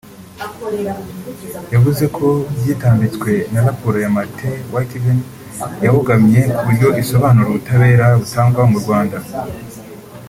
yavuze ko byitambitswe na raporo ya Martin Witteveen yabogamye ku buryo isobanura ubutabera butangwa mu Rwanda